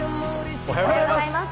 おはようございます。